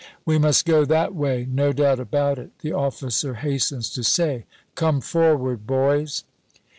"We must go that way, no doubt about it," the officer hastens to say. "Come, forward, boys."